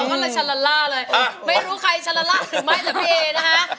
ไม่รู้ใครชันละล่ะหรือไม่แต่พี่เอ๋นะคะ